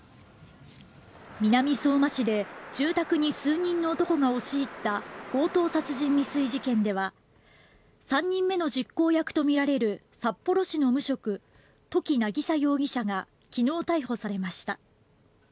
南相馬市で住宅に数人の男が押し入った強盗殺人未遂事件では３人目の実行役とみられる札幌市の無職、土岐渚容疑者が昨日逮捕されました。